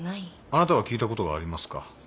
あなたは聞いたことがありますか？